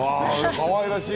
かわいらしい。